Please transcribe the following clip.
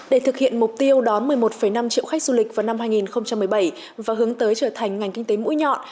để thực hiện mục tiêu đón một mươi một năm triệu khách du lịch vào năm hai nghìn một mươi bảy và hướng tới trở thành ngành kinh tế mũi nhọn